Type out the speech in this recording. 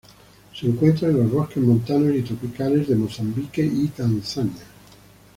Se encuentra en los bosques montanos tropicales de Mozambique y Tanzania.